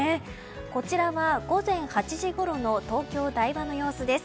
こちらは午前８時ごろの東京・台場の様子です。